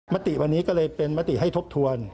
มติวันนี้ก็เลยเป็นมติให้ทบทวน